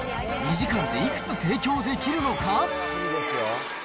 ２時間でいくつ提供できるのか。